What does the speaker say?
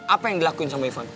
apa yang dilakuin sama ivan